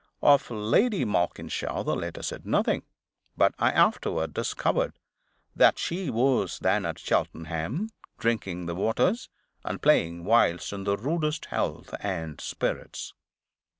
Of Lady Malkinshaw the letter said nothing; but I afterward discovered that she was then at Cheltenham, drinking the waters and playing whist in the rudest health and spirits.